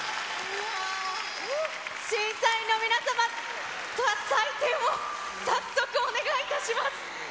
審査員の皆様、採点を早速お願いいたします。